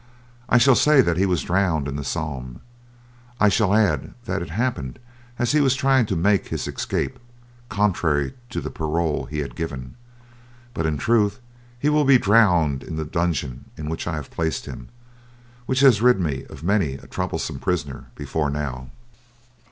I shall say that he was drowned in the Somme. I shall add that it happened as he was trying to make his escape, contrary to the parole he had given; but in truth he will be drowned in the dungeon in which I have placed him, which has rid me of many a troublesome prisoner before now.